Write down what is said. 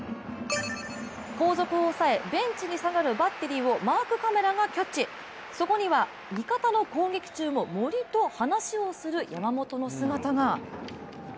後続を抑え、ベンチに下がるバッテリーをマークカメラがキャッチそこには味方の攻撃中も森と話をする山本の姿が。